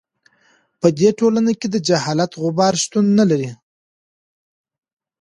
په دې ټولنه کې د جهالت غبار شتون نه لري.